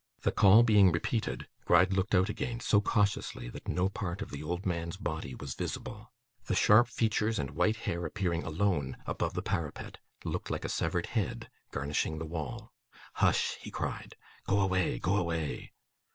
The call being repeated, Gride looked out again, so cautiously that no part of the old man's body was visible. The sharp features and white hair appearing alone, above the parapet, looked like a severed head garnishing the wall. 'Hush!' he cried. 'Go away, go away!